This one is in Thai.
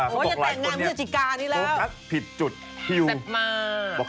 เขาบอกหลายคนเนี่ยแซ่บมาก